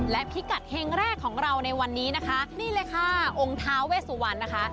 และพิกัดเฮงแรกของเราในวันนี้นะคะนี่เลยค่ะองค์ท้าเวสุวรรณนะคะ